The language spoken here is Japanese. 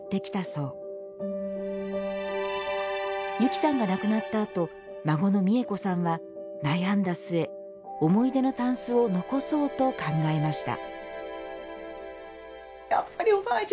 ゆきさんが亡くなったあと孫の美衣子さんは悩んだ末思い出のたんすを残そうと考えました